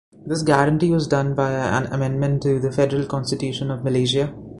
This guarantee was done via an amendment to the Federal Constitution of Malaysia.